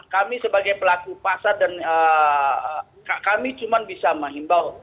kami sebagai pelaku pasar dan kami cuma bisa menghimbau